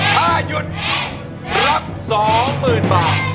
ถ้าหยุดรับ๒๐๐๐บาท